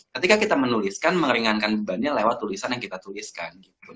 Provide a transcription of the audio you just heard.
ketika kita menuliskan mengeringankan bebannya lewat tulisan yang kita tuliskan gitu